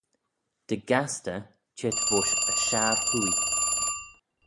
Dy gastey cheet voish y shiarhwoaie.